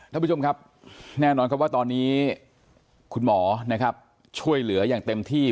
ท่านผู้ชมครับแน่นอนครับว่าตอนนี้คุณหมอนะครับช่วยเหลืออย่างเต็มที่